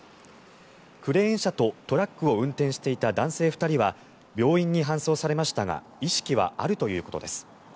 クレーン車とトラックを運転していた男性２人は病院に搬送されましたが意識はあるということです。